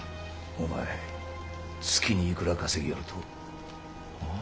お前月にいくら稼ぎよると？